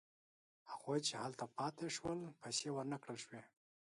هغوی چې هلته پاتې شول پیسې ورنه کړل شوې.